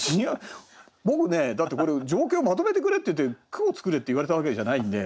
僕ねだってこれ情景をまとめてくれっていって句を作れって言われたわけじゃないんで。